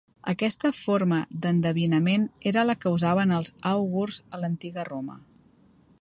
Aquesta forma d'endevinament era la que usaven els àugurs a l'antiga Roma.